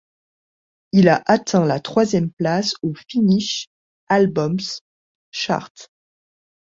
Il a atteint la troisième place au Finnish Albums Chart.